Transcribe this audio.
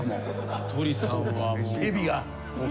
ひとりさんはもう。